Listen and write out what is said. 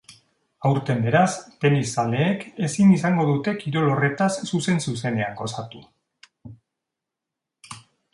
Aurten beraz, tenis zaleek ezin izango dute kirol horretaz zuzen-zuzenean gozatu.